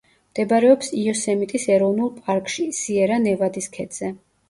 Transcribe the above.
მდებარეობს იოსემიტის ეროვნულ პარკში, სიერა-ნევადის ქედზე.